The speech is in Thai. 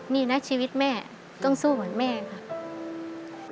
นี่นะชีวิตแม่ต้องสู้เหมือนแม่ค่ะ